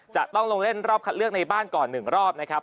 จะต้องลงเล่นรอบคัดเลือกในบ้านก่อน๑รอบนะครับ